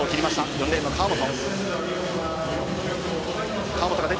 ４レーンの川本。